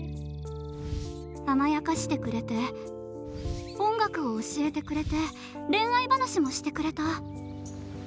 甘やかしてくれて音楽を教えてくれて恋愛話もしてくれた。